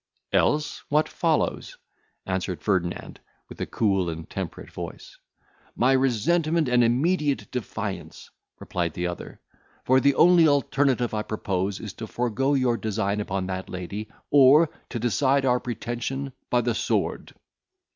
"Else what follows?" answered Ferdinand, with a cool and temperate voice. "My resentment and immediate defiance," replied the other; "for the only alternative I propose is, to forego your design upon that lady, or to decide our pretension by the sword."